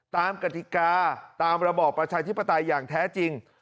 กติกาตามระบอบประชาธิปไตยอย่างแท้จริง